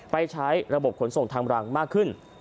ไปใช้ระบบขนส่งทางบรังมากขึ้น